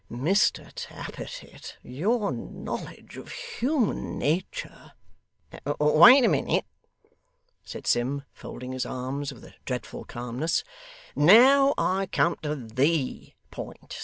'Mr Tappertit, your knowledge of human nature ' 'Wait a minute,' said Sim, folding his arms with a dreadful calmness. 'Now I come to THE point.